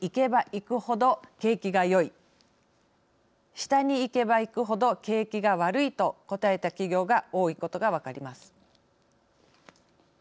下にいけばいくほど景気が悪いと答えた企業が多いことが分かります。